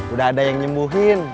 udah ada yang nyembuhin